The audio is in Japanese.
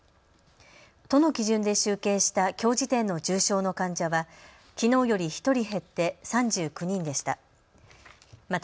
都の基準で集計したきょう時点の重症の患者はきのうより１人減って３９人でした。